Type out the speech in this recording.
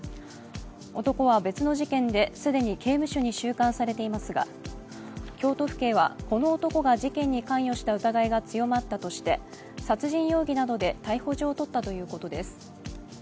男は別の事件で、既に刑務所に収監されていますが、京都府警は、この男が事件に関与した疑いが強まったとして殺人容疑などで逮捕状を取ったということです。